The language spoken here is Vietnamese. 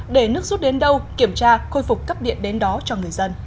để nước rút đến đâu kiểm tra khôi phục cấp điện đến đó cho người dân